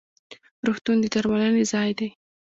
روغتون د درملنې ځای دی